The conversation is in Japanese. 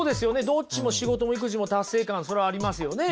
どっちも仕事も育児も達成感それはありますよね。